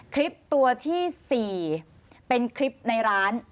คลิปตัวที่๔เป็นคลิปในร้าน